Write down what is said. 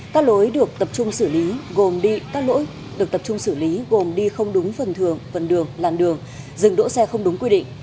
các lỗi được tập trung xử lý gồm đi không đúng phần thường phần đường làn đường dừng đỗ xe không đúng quy định